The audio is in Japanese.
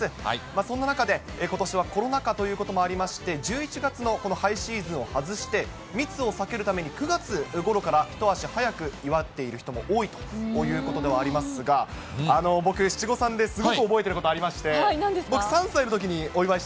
そんな中で、ことしはコロナ禍ということもありまして、１１月のこのハイシーズンを外して、密を避けるために９月ごろから一足早く祝っている人も多いということでありますが、僕、七五三ですごく覚えていることありまして。